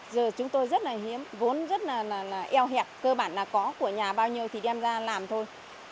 giờ chúng tôi rất là hiếm vốn rất là eo hẹp cơ bản là có của nhà bao nhiêu thì đem ra làm thôi